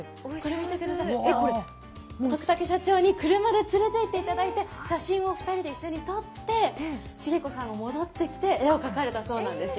徳竹社長に車で連れていってもらって写真を２人で一緒にとってしげ子さんが戻って絵を描かれたそうなんですよ。